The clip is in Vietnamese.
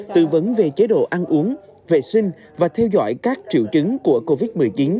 tư vấn về chế độ ăn uống vệ sinh và theo dõi các triệu chứng của covid một mươi chín